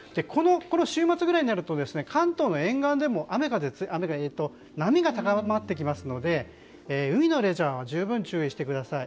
週末ぐらいになると関東の沿岸でも波が高まってきますので海のレジャーは十分、注意してください。